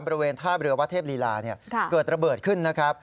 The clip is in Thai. บริเวณท่าเรือวัดเทพลีลาเกิดระเบิดขึ้นนะครับ